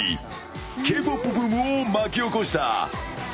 Ｋ‐ＰＯＰブームを巻き起こした。